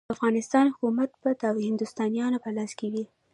د افغانستان حکومت به د هندوستانیانو په لاس کې وي.